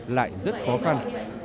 lại rất khó khăn